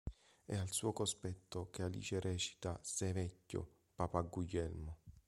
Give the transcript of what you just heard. È al suo cospetto che Alice recita "Sei vecchio, Papà Guglielmo".